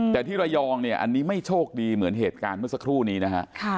แต่ที่ระยองเนี่ยอันนี้ไม่โชคดีเหมือนเหตุการณ์เมื่อสักครู่นี้นะฮะ